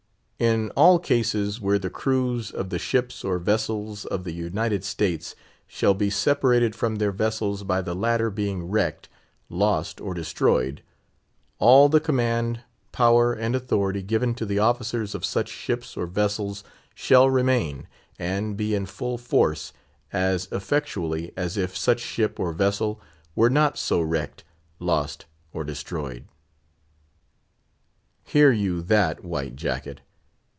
"In all cases where the crews of the ships or vessels of the United States shall be separated from their vessels by the latter being wrecked, lost, or destroyed, all the command, power, and authority given to the officers of such ships or vessels shall remain, and be in full force, as effectually as if such ship or vessel were not so wrecked, lost or destroyed." Hear you that, White Jacket!